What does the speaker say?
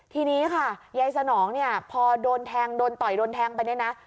ทีนี้ค่ะยายสนองเนี่ยพอโดนแทงโดนต่อยโดนแทงไปเนี่ยนะ